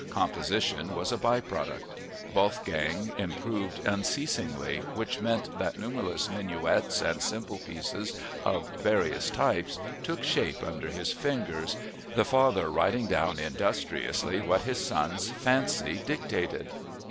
Composition was a by product. Wolfgang improvised unceasingly, which meant that numberless minuets and simple pieces of various types took shape under his fingers, the father writing down industriously what his son's fancy dictated.